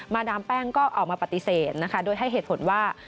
ดามแป้งก็ออกมาปฏิเสธนะคะโดยให้เหตุผลว่า